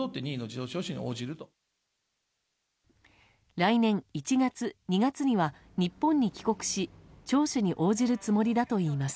来年１月、２月には日本に帰国し聴取に応じるつもりだといいます。